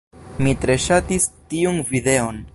Mi tre ŝatis tiun videon.